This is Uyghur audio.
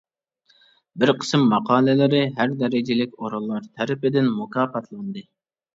بىر قىسىم ماقالىلىرى ھەر دەرىجىلىك ئورۇنلار تەرىپىدىن مۇكاپاتلاندى.